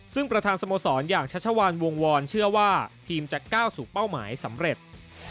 ซึ่งประธานสโมสรอย่างชัชวานวงวรเชื่อว่าทีมจะก้าวสู่เป้าหมายสำเร็จ